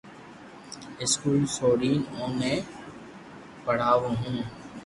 اسڪول سوڙين اوني پڙاوُ ھون